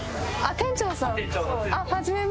店長さん？